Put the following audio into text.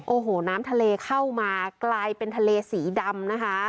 โอ้โหน้ำทะเลเข้ามากลายเป็นทะเลสีดำนะคะ